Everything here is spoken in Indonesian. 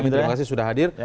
terima kasih sudah hadir